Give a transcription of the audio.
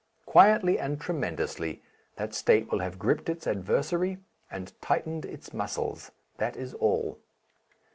Quietly and tremendously that State will have gripped its adversary and tightened its muscles that is all.